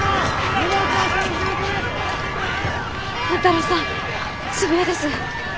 万太郎さん渋谷です。